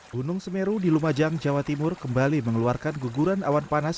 gunung semeru di lumajang jawa timur kembali mengeluarkan guguran awan panas